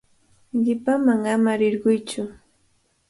Qipaman ama rirquytsu.